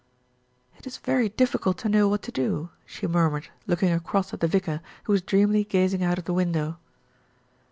"It is very difficult to know what to do," she mur mured, looking across at the vicar, who was dreamily gazing out of the window.